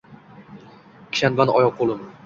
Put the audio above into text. Kishanband oyoq-qoʼlim